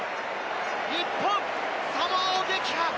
日本、サモアを撃破！